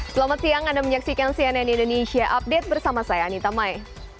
selamat siang anda menyaksikan cnn indonesia update bersama saya anita mai